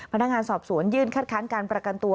พนักงานสอบสวนยื่นคัดค้านการประกันตัว